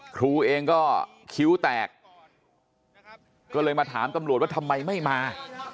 ครูเองก็คิ้วแตกก็เลยมาถามตำรวจว่าทำไมไม่มา